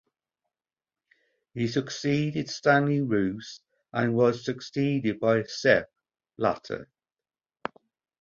He succeeded Stanley Rous and was succeeded by Sepp Blatter.